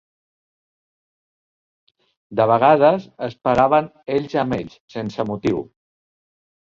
De vegades es pegaven ells amb ells, sense motiu